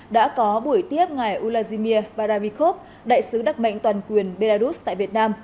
đã có buổi tiếp ngày ulazimir baravikov đại sứ đặc mệnh toàn quyền belarus tại việt nam